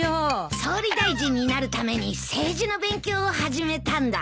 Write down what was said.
総理大臣になるために政治の勉強を始めたんだ。